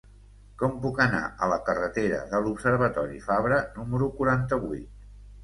Com puc anar a la carretera de l'Observatori Fabra número quaranta-vuit?